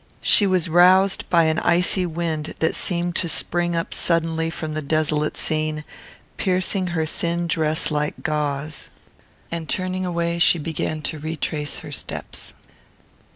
She was roused by an icy wind that seemed to spring up suddenly from the desolate scene, piercing her thin dress like gauze; and turning away she began to retrace her steps.